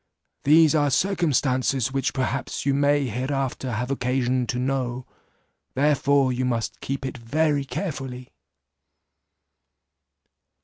These are circumstances which perhaps you may hereafter have occasion to know, therefore you must keep it very carefully."